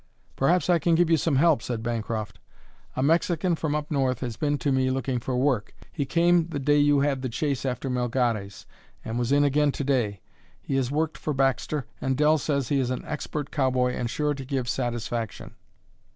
"Perhaps I can give you some help," said Bancroft. "A Mexican from up North has been to me looking for work. He came the day you had the chase after Melgares and was in again to day. He has worked for Baxter, and Dell says he is an expert cowboy and sure to give satisfaction."